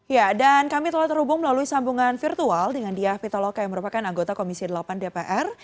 ya dan kami telah terhubung melalui sambungan virtual dengan diah pitaloka yang merupakan anggota komisi delapan dpr